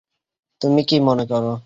তুমি কি মনে কর?